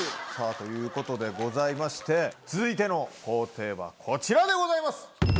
ということで、ございまして、続いての工程はこちらでございます。